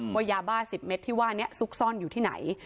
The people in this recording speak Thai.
ว่ายาบ้า๑๐เมตรที่ว่านี้ซุกซ่อนอยู่ที่ไหน